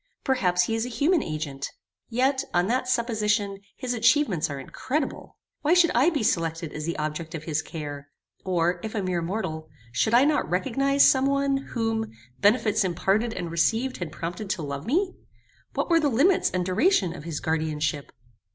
Perhaps he is a human agent. Yet, on that supposition his atchievements are incredible. Why should I be selected as the object of his care; or, if a mere mortal, should I not recognize some one, whom, benefits imparted and received had prompted to love me? What were the limits and duration of his guardianship?